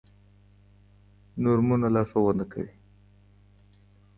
نورمونه لارښوونه کوي.